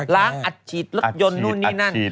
ล้างอัดฉีดลึกยนต์นู่นนี่นั่น